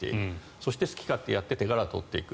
そして好き勝手やって手柄を取っていく。